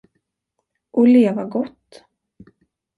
Och leva gott.